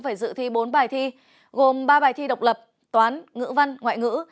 phải dự thi bốn bài thi gồm ba bài thi độc lập toán ngữ văn ngoại ngữ